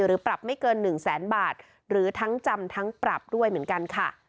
ปรับไม่เกิน๑แสนบาทหรือทั้งจำทั้งปรับด้วยเหมือนกันค่ะ